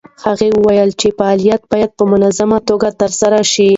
هغه وویل چې فعالیت باید په منظمه توګه ترسره شي.